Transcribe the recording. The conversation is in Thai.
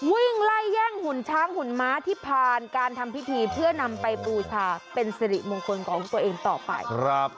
วิ่งไล่แย่งหุ่นช้างหุ่นม้าที่ผ่านการทำพิธีเพื่อนำไปบูชาเป็นสิริมงคลของตัวเองต่อไป